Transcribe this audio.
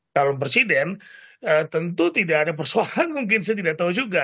calon presiden tentu tidak ada persoalan mungkin saya tidak tahu juga